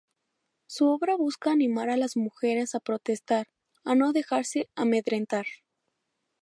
Su obra busca animar a las mujeres a protestar, a no dejarse amedrentar.